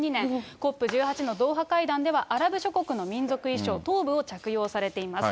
２０１２年、ＣＯＰ１８のドーハ会談ではアラブ諸国の民族衣装、トーブを着用されています。